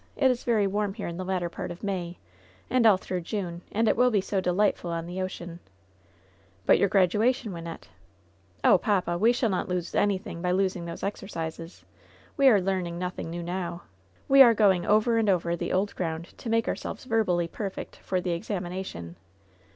It is very warm here in the latter part of May, and all through June, and it will be so delightful on the ocean ^" "But your graduation, Wynnette ?" "Oh, papa ! we shall not lose anything by losing those exercises. We are learning nothing new now. We are going over and over the old ground to make ourselves verbally perfect for the examination.